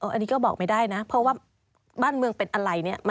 อันนี้ก็บอกไม่ได้นะเพราะว่าบ้านเมืองเป็นอะไรเนี่ย